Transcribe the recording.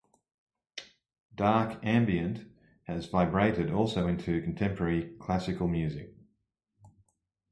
Dark ambient has vibrated also into contemporary classical music.